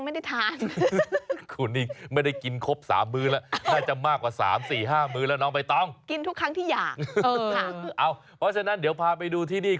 บ่งไม้บ่งมือแล้วแบบนี้นะครับว่าอย่างนี้ค่ะ